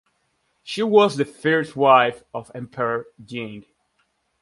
She was the first wife of Emperor Jing.